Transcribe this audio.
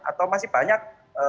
atau masih banyak